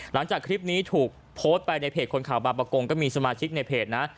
หลังจากคลิปนี้ถูกโพสต์ไปในเพจคนข่าวบางประกงก็มีสมาชิกในเพจนะ